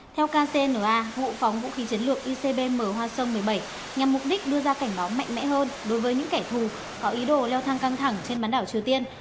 theo kcna vụ phóng vũ khí chiến lược icbm hoa sông một mươi bảy nhằm mục đích đưa ra cảnh báo mạnh mẽ hơn đối với những kẻ thù có ý đồ leo thang căng thẳng trên bán đảo triều tiên